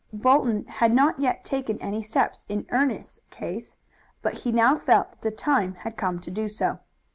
Bolton had not yet taken any steps in Ernest's case, but he now felt that the time had come to do so.